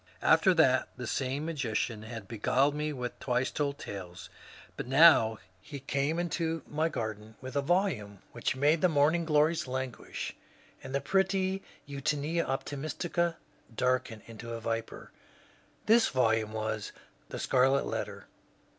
After that the same magician had beguiled me with *^ Twice Told Tales," but now he came into my garden with a volume which made the morning glories languish and the pretty Eutoenia optimistica darken into a viper. This volume was ^' The Scarlet Letter."